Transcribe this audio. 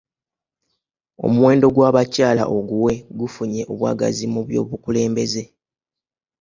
Omuwendo gwa abakyala oguwe gufunye obwagazi mu byobukulembeze.